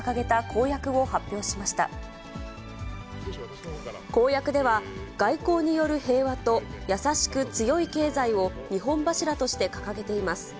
公約、では外交による平和と、やさしく強い経済を２本柱として掲げています。